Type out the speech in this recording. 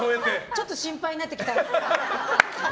ちょっと心配になってきた。